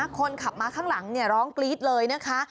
คนขับมาข้างหลังร้องกรี๊ดเลยนะคะ